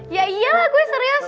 ya iyalah gue serius